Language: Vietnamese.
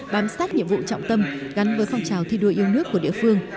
bám sát nhiệm vụ trọng tâm gắn với phong trào thi đua yêu nước của địa phương